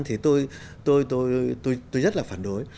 thì tôi rất là phản đối